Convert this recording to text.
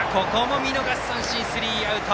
見逃し三振、スリーアウト。